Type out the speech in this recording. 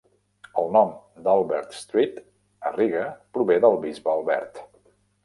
El nom d'Albert Street a Riga prové del bisbe Albert.